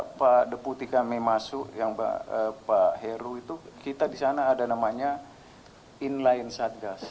jadi sejak pak deputika me masuk yang pak heru itu kita di sana ada namanya inline satgas